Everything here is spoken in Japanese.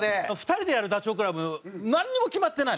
２人でやるダチョウ倶楽部なんにも決まってない。